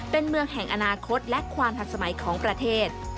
เป็นเมืองแห่งอนาคตและความหักสมัยของประเทศ